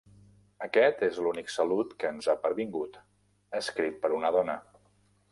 Aquest és l'únic salut que ens ha pervingut escrit per una dona.